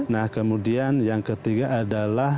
nah kemudian yang ketiga adalah